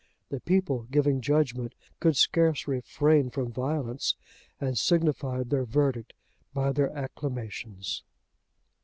The people, giving judgement, could scarce refrain from violence, and signified their verdict by their acclamations.